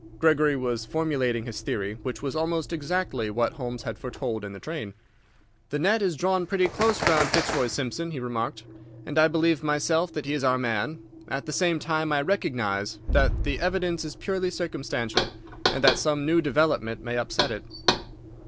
Gregory was formulating his theory, which was almost exactly what Holmes had foretold in the train. "The net is drawn pretty close round Fitzroy Simpson," he remarked, "and I believe myself that he is our man. At the same time I recognise that the evidence is purely circumstantial, and that some new development may upset it."